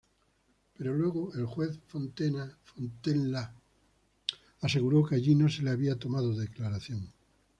Pero luego, el juez Fontenla aseguró que allí no se le había tomado declaración.